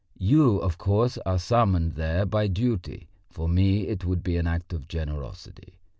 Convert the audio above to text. You, of course, are summoned there by duty; for me, it would be an act of generosity.